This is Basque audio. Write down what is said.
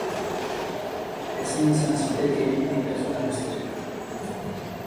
Ezin izan zitekeen maitasuna besterik.